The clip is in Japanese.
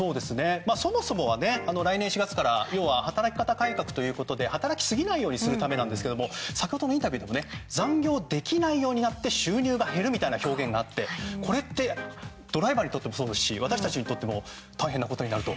そもそも来年４月から働き方改革で働きすぎないようにするためなんですけど先ほどのインタビューでも残業できないようになって収入が減るみたいな表現があって、これってドライバーにとってもそうですし私たちにとっても大変なことになると。